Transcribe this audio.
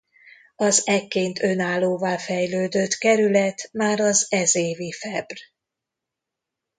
Az ekként önállóvá fejlődött kerület már az ez évi febr.